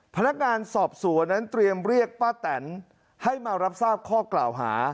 พนักงานสอบสวนนั้นเตรียมเรียกป้าแตนให้มารับทราบข้อกล่าวหา